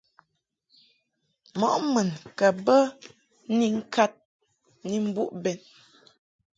Mɔʼ mun ka bə ni ŋkad ni mbuʼ bɛn.